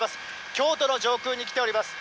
京都の上空に来ております。